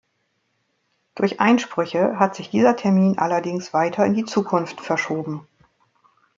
Durch Einsprüche hat sich dieser Termin allerdings weiter in die Zukunft verschoben.